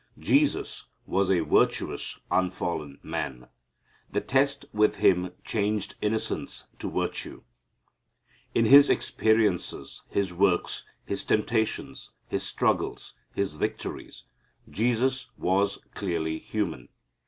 Jesus was a virtuous unfallen man. The test with Him changed innocence to virtue. In His experiences, His works, His temptations, His struggles, His victories, Jesus was clearly human.